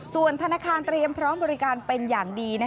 ส่วนธนาคารเตรียมพร้อมบริการเป็นอย่างดี